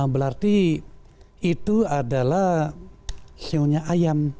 berarti itu adalah siunya ayam